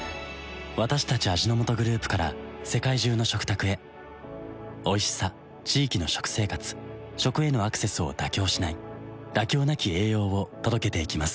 私たち味の素グループから世界中の食卓へおいしさ地域の食生活食へのアクセスを妥協しない「妥協なき栄養」を届けていきます